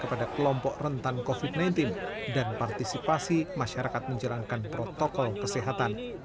kepada kelompok rentan kofit sembilan belas dan partisipasi masyarakat menjalankan protokol kesehatan